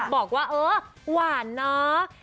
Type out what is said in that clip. บอกว่าเออหวานเนาะ